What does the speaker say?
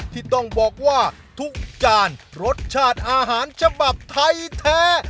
ที่ต้องบอกว่าทุกจานรสชาติอาหารฉบับไทยแท้